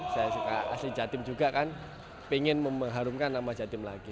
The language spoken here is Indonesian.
saya suka asli jatim juga kan pengen mengharumkan nama jatim lagi